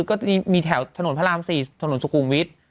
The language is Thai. ก็จะมีแถวถนนพระราม๔ถนนสุขุมวิทย์